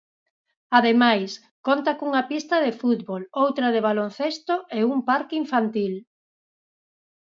Ademais, conta cunha pista de fútbol, outra de baloncesto e un parque infantil.